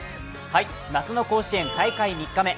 夏の甲子園、大会３日目。